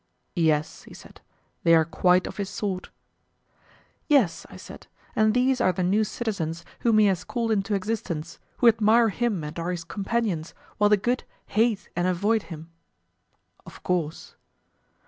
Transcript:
Yes, he said; they are quite of his sort. Yes, I said, and these are the new citizens whom he has called into existence, who admire him and are his companions, while the good hate and avoid him. Of course.